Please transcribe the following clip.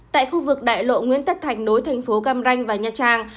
tại khu vực đại lộ nguyễn tất thạch nối thành phố cam ranh và nhà trang